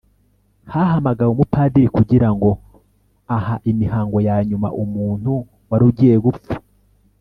hahamagawe umupadiri kugira ngo aha imihango yanyuma umuntu wari ugiye gupfa